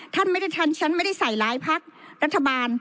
ท่านไม่ได้ทันฉันไม่ได้ใส่ร้ายพักรัฐบาล